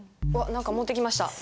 何か持ってきました。